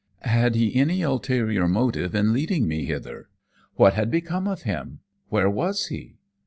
Had he any ulterior motive in leading me hither? What had become of him? Where was he?